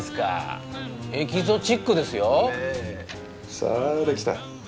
さあできた。